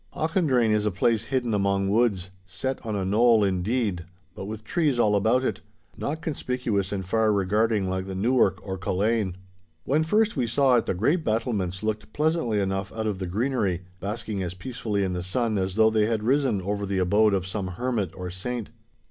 Auchendrayne is a place hidden among woods—set on a knoll, indeed, but with trees all about it, not conspicuous and far regarding like the Newark or Culzean. When first we saw it the grey battlements looked pleasantly enough out of the greenery, basking as peacefully in the sun as though they had risen over the abode of some hermit or saint.